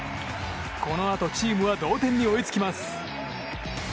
このあとチームは同点に追いつきます。